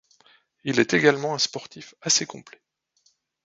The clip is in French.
Il est également un sportif assez complet.